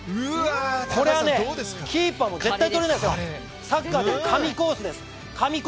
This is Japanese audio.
これはキーパーも絶対とれないですよ、サッカーで神コースです！